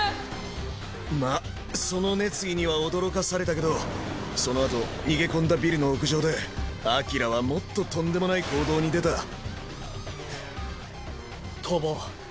まっその熱意には驚かされたけどそのあと逃げ込んだビルの屋上でアキラはもっととんでもない行動に出た飛ぼう。